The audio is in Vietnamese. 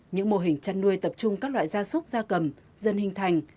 những mô hình chăn nuôi tập trung các loại da súc da cầm dân hình thành